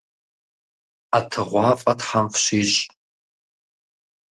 ӀэтыгъуафӀэ тхьэм фщищӀ.